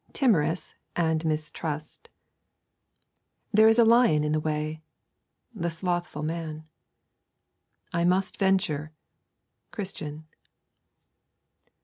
TIMOROUS AND MISTRUST 'There is a lion in the way.' The Slothful Man. 'I must venture.' Christian.